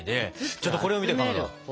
ちょっとこれ見てかまど。